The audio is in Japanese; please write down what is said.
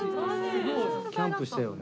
すごい。キャンプしたよね。